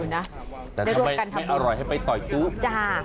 แต่ทำไมไม่อร่อยให้ไปต่อยตู้จ้า